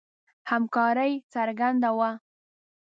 همکاري څرګنده وه.